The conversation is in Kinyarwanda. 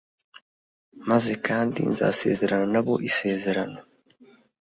Maze kandi nzasezerana na bo isezerano